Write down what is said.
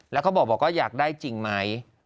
แล้วเขาบอกว่าอยากได้จริงไหม